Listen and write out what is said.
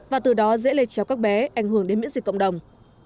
và từ đó dễ lây chéo các bé ảnh hưởng đến miễn dịch cộng đồng